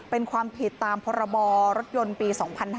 เป็นความผิดตามพรรปี๒๕๒๒